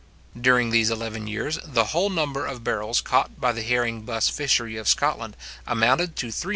During these eleven years, the whole number of barrels caught by the herring buss fishery of Scotland amounted to 378,347.